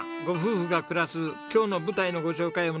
ご夫婦が暮らす今日の舞台のご紹介